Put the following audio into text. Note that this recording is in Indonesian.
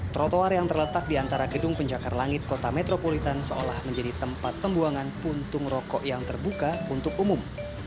trotoar yang terletak di antara gedung pencakar langit kota metropolitan seolah menjadi tempat pembuangan puntung rokok yang terbuka untuk umum